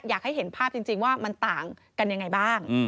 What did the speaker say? อยากให้เห็นภาพจริงว่ามันต่างกันยังไงบ้าง